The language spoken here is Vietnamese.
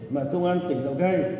mà công an tỉnh lào cai